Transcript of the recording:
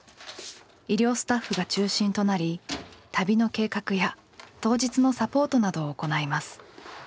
医療スタッフが中心となり旅の計画や当日のサポートなどを行います。